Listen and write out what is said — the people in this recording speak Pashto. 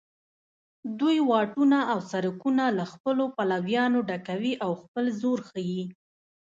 دوی واټونه او سړکونه له خپلو پلویانو ډکوي او خپل زور ښیي